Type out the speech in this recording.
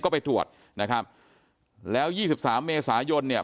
ก็ไปตรวจนะครับแล้วยี่สิบสามเมษายนเนี่ย